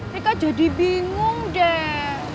rika jadi bingung deh